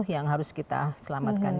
yang harus kita selamatkan